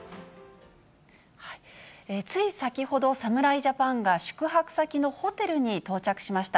つい先ほど、侍ジャパンが宿泊先のホテルに到着しました。